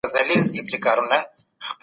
نوی استازی څنګه معرفي کېږي؟